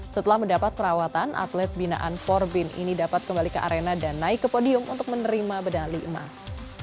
setelah mendapat perawatan atlet binaan empat bin ini dapat kembali ke arena dan naik ke podium untuk menerima medali emas